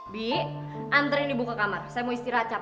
bi antren ibu ke kamar saya mau istirahat